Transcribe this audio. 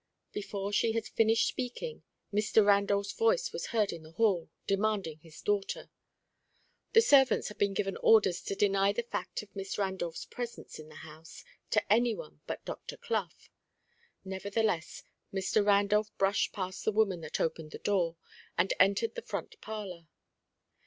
Before she had finished speaking, Mr. Randolph's voice was heard in the hall, demanding his daughter. The servants had been given orders to deny the fact of Miss Randolph's presence in the house to any one but Dr. Clough. Nevertheless, Mr. Randolph brushed past the woman that opened the door, and entered the front parlour.